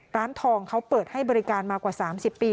ร้านทองเขาเปิดให้บริการมากว่า๓๐ปี